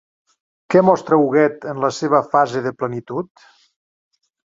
Què mostra Huguet en la seva fase de plenitud?